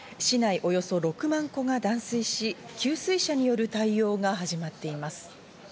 およそ６万戸が断水し、給水車による対応が始まっています。